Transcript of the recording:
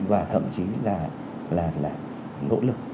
và thậm chí là nỗ lực